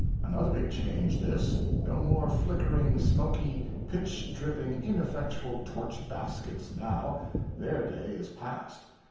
Another big change, this no more flickering, smoky, pitch dripping, ineffectual torch baskets, now: their day is past.